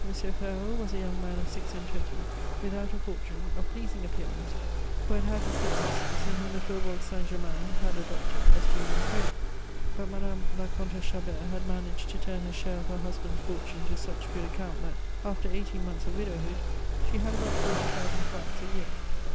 Ferraud was a young man of six and twenty, without a fortune, of pleasing appearance, who had had his successes, and whom the Faubourg Saint Germain had adopted as doing it credit; but Madame la Comtesse Chabert had managed to turn her share of her husband's fortune to such good account that, after eighteen months of widowhood, she had about forty thousand francs a year.